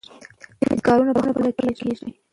ځینې کارونه په خپله کېږي.